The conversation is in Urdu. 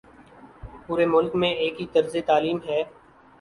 پورے ملک میں ایک ہی طرز تعلیم ہے۔